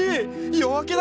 夜明けだ。